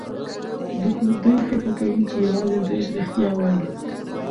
دوی فکر کوي چې يوازې دوی رښتيا وايي.